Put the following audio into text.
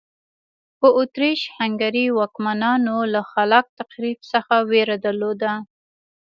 په اتریش هنګري واکمنانو له خلاق تخریب څخه وېره درلوده.